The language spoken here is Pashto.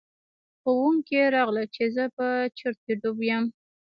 ښوونکي راغلل چې زه په چرت کې ډوب یم.